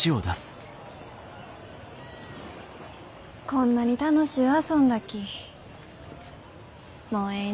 こんなに楽しゅう遊んだきもうえいね。